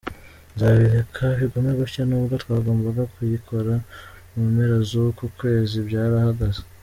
Nzabireka bigume gutya nubwo twagombaga kuyikora mu mpera z’uku kwezi, byarahagaze.